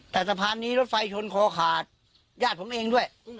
แต่สะพานนี้รถไฟชนคอขาดญาติผมเองด้วย